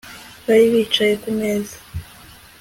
Bari bicaye kumeza